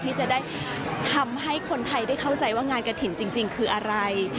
ที่จะได้ทำให้คนไทยได้เข้าใจว่างานกระถิ่นจริงคืออะไร